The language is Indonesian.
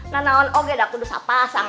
nah nah on ogeda ku dusah pasang